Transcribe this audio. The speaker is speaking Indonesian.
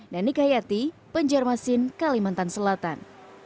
nani kahyati penjarmasin kalimantan selatan